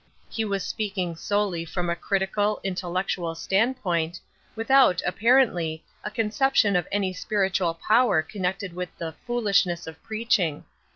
He was speaking solely from a critical, intellec tual standpoint, without, apparently, a concep tion of any spiritual power connected with the "foolishness of preaching."